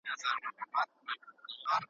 ایا ملي بڼوال شین ممیز ساتي؟